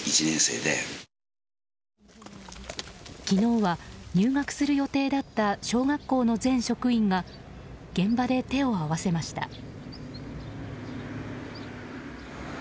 昨日は、入学する予定だった小学校の全職員が現場で手を合わせました。